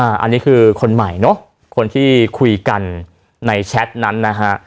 อันนี้คือคนใหม่เนอะคนที่คุยกันในแชทนั้นนะฮะ